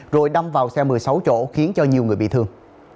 rồi đâm vào xe một mươi sáu chỗ khiến cho nhiều người bị thương